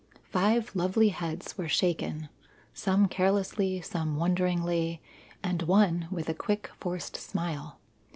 Five lovely heads were shaken, some carelessly, some wonderingly, and one, with a quick, forced smile.